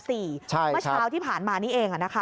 เมื่อเช้าที่ผ่านมานี้เอง